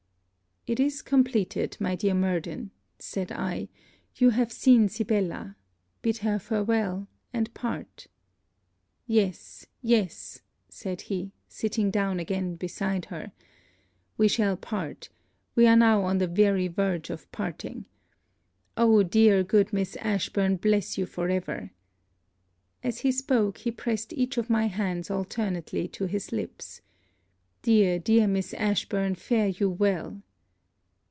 'It is completed, my dear Murden.' said I. 'You have seen Sibella. Bid her farewel, and part.' 'Yes! yes!' said he, sitting down again beside her. 'We shall part we are now on the very verge of parting. Oh dear, good Miss Ashburn, bless you for ever!' As he spoke, he pressed each of my hands alternately to his lips. 'Dear dear Miss Ashburn, fare you well!'